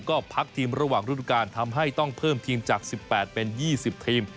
ก็พักทีมระหว่างฤดูการทำให้ต้องเพิ่มทีมจาก๑๘เป็น๒๐ทีม